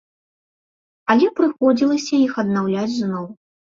Але прыходзілася іх аднаўляць зноў.